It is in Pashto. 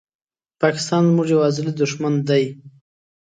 پاکستان زموږ یو ازلې دښمن دي